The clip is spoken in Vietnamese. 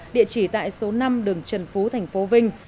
địa chỉ tại số năm đường trần phú tp vinh